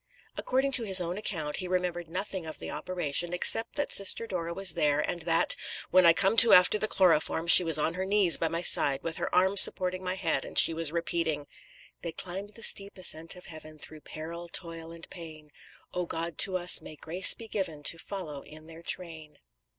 According to his own account he remembered nothing of the operation, except that Sister Dora was there, and that, "When I come to after the chloroform, she was on her knees by my side with her arm supporting my head, and she was repeating: "'They climbed the steep ascent of heaven, Through peril, toil and pain: O God, to us may grace be given To follow in their train.'